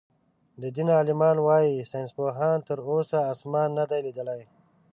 د دين عالمان وايي ساينسپوهانو تر اوسه آسمان نۀ دئ ليدلی.